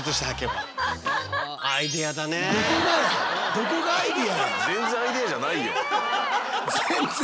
どこがアイデアや！